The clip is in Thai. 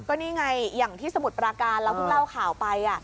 ก็นี่ไงอย่างที่สมุทรปราการเราเพิ่งเล่าข่าวไป